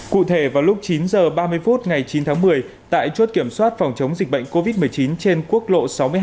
cụ thể vào lúc chín h ba mươi phút ngày chín tháng một mươi tại chốt kiểm soát phòng chống dịch bệnh covid một mươi chín trên quốc lộ sáu mươi hai